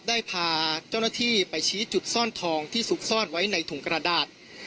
ได้พาเจ้าหน้าที่ไปชี้จุดซ่อนทองที่ซุกซ่อนไว้ในถุงกระดาษ